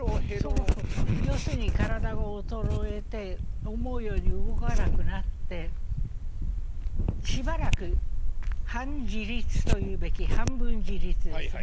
要するに体が衰えて思うように動かなくなってしばらく半自立というべき半分自立ですね。